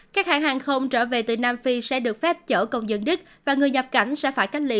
các hãng hàng không trở về từ nam phi sẽ được phép chở công dân đích và người nhập cảnh sẽ phải cách ly